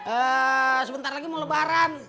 eh sebentar lagi mau lebaran